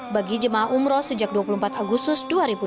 bagi jemaah umroh sejak dua puluh empat agustus dua ribu dua puluh